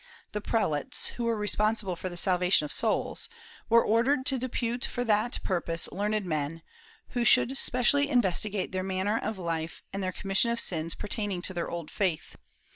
The prelates, who were responsible for the salvation of souls, were ordered to depute for that purpose learned men, who should specially investigate their manner of life and their commission of sins pertaining to their old faith.